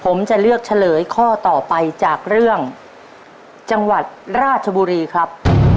ผมจะเลือกเฉลยข้อต่อไปจากเรื่องจังหวัดราชบุรีครับ